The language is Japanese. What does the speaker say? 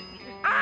あ！